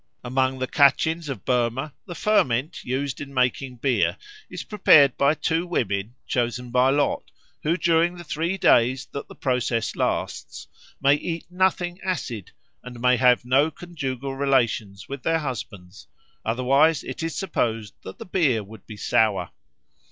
Among the Kachins of Burma the ferment used in making beer is prepared by two women, chosen by lot, who during the three days that the process lasts may eat nothing acid and may have no conjugal relations with their husbands; otherwise it is supposed that the beer would be sour.